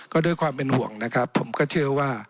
ก็ด้วยความเป็นห่วงนะครับผมก็เชื่อว่า